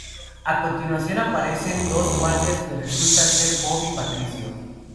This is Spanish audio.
A continuación aparecen dos guardias, que resultan ser Bob y Patricio.